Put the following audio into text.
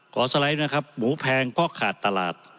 สไลด์นะครับหมูแพงเพราะขาดตลาด